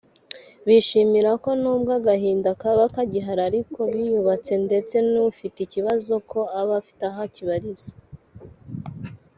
bishimira ko nubwo agahinda kaba kagihari ariko biyubatse ndetse n’ufite ikibazo ko aba afite aho akibariza